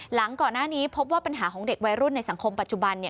หลังก่อนหน้านี้พบว่าปัญหาของเด็กวัยรุ่นในสังคมปัจจุบัน